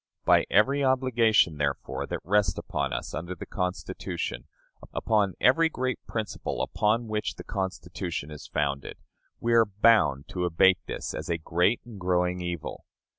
By every obligation, therefore, that rests upon us under the Constitution, upon every great principle upon which the Constitution is founded, we are bound to abate this as a great and growing evil.